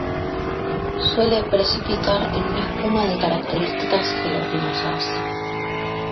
Suele precipitar en una espuma de características gelatinosa.